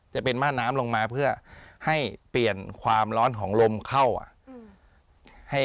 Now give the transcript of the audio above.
จะเป็นม่าน้ำลงมาเพื่อให้เปลี่ยนความร้อนของลมเข้า